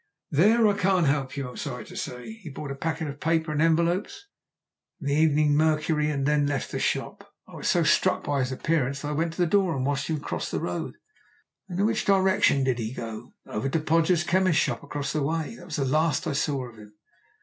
"There I can't help you, I'm sorry to say. He bought a packet of paper and envelopes and the Evening Mercury and then left the shop. I was so struck by his appearance that I went to the door and watched him cross the road." "And in which direction did he go?" "Over to Podgers' chemist shop across the way. That was the last I saw of him."